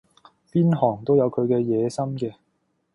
邊行都有佢嘅野心嘅